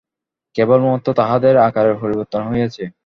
কেবলমাত্র তাহাদের আকারের পরিবর্তন হইয়াছে।